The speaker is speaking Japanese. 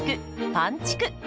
「パンちく」。